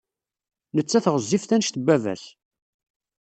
Nettat ɣezzifet anect n baba-s.